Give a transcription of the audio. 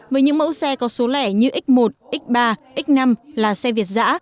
với những mẫu xe có số lẻ như x một x ba x năm là xe việt giã